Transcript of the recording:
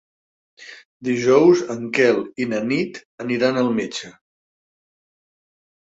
Dijous en Quel i na Nit aniran al metge.